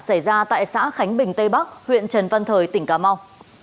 xảy ra tại xã khánh bình tây bắc huyện trần văn thời tỉnh cà mau